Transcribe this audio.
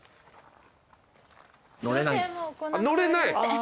乗れない。